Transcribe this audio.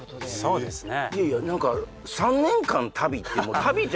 そうですよね